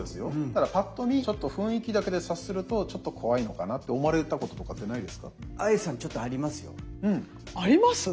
ただパッと見雰囲気だけで察するとちょっと怖いのかなって思われたこととかってないですか？